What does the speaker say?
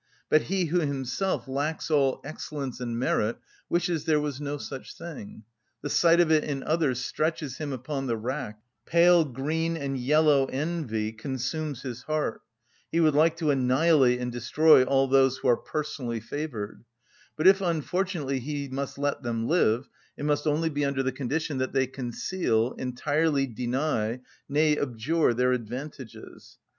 But he who himself lacks all excellence and merit wishes there was no such thing: the sight of it in others stretches him upon the rack; pale, green, and yellow envy consumes his heart: he would like to annihilate and destroy all those who are personally favoured; but if unfortunately he must let them live, it must only be under the condition that they conceal, entirely deny, nay, abjure their advantages.